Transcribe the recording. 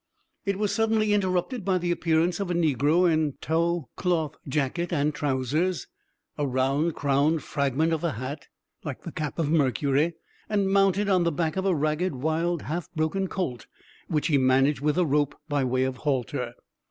It was suddenly interrupted by the appearance of a negro in tow cloth jacket and trousers, a round crowned fragment of a hat, like the cap of Mercury, and mounted on the back of a ragged, wild, half broken colt, which he managed with a rope by way of halter.